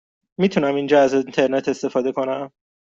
می توانم اینجا از اینترنت استفاده کنم؟